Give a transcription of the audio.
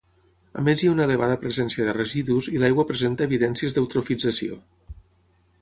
A més hi ha una elevada presència de residus i l'aigua presenta evidències d’eutrofització.